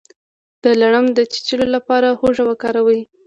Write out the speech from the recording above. د لړم د چیچلو لپاره هوږه وکاروئ